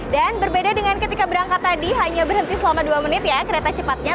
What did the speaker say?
dan berbeda dengan ketika berangkat tadi hanya berhenti selama dua menit ya kereta cepatnya